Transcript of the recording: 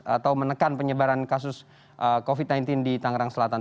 atau menekan penyebaran kasus covid sembilan belas di tangerang selatan